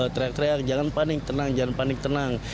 teriak teriak jangan panik tenang jangan panik tenang